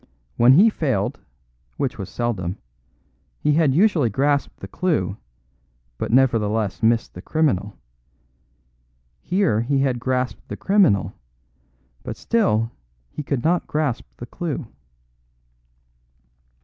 When he failed (which was seldom), he had usually grasped the clue, but nevertheless missed the criminal. Here he had grasped the criminal, but still he could not grasp the clue.